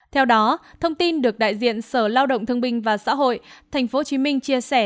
theo đó thông tin được đại diện sở lãng động thương minh và xã hội tp hcm chia sẻ